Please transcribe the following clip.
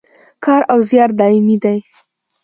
کار او زیار دایمي دی